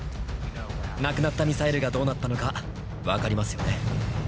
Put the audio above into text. なくなったミサイルがどうなったのか分かりますよね？